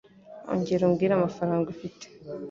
Ongera umbwire amafaranga ufite.